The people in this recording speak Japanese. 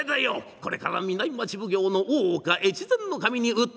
これから南町奉行の大岡越前守に訴えて出ることになる。